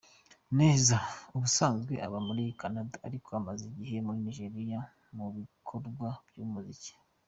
Neza ubusanzwe aba muri Canada, ariko amaze igihe muri Nigeria mu bikorwa by’umuziki.